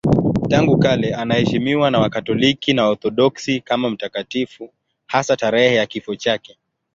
Tangu kale anaheshimiwa na Wakatoliki na Waorthodoksi kama mtakatifu, hasa tarehe ya kifo chake.